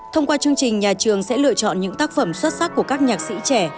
thông qua chương trình nhà trường sẽ lựa chọn những tác phẩm xuất sắc của các nhạc sĩ trẻ